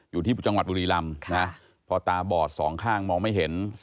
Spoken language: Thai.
อยู่ที่จังหวัดบุรีรำนะพอตาบอดสองข้างมองไม่เห็น